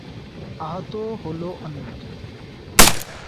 আহত হলো অনেক।